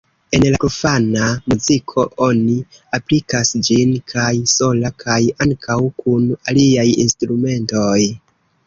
En la profana muziko oni aplikas ĝin kaj sola kaj ankaŭ kun aliaj instrumentoj.